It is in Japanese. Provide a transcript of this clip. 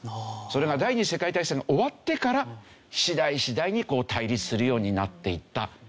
それが第２次世界大戦が終わってから次第次第に対立するようになっていった。